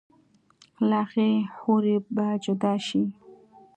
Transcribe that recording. لۀ هغې حورې به جدا شي